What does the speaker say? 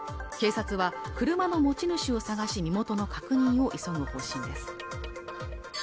警察は車の持ち主を捜し身元の確認を急ぐ方針です